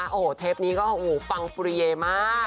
โอ้โหเทปนี้ก็โอ้โหปังฟุรีเยมาก